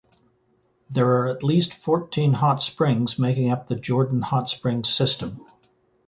There are at least fourteen hot springs making up the Jordan Hot Springs system.